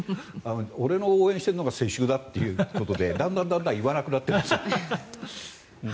俺の応援してるのが世襲だということでだんだん言わなくなってるんです。